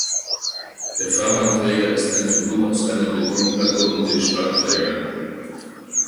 Der Fahrbahnträger ist ein Verbund aus einer Betonplatte und den Stahlträgern.